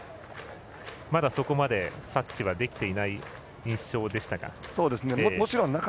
まだそこまで察知はできていない印象でしたか。